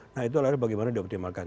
nah itu adalah bagaimana dioptimalkan